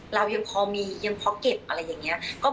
เรายังพอมียังพอเก็บอะไรอย่างนี้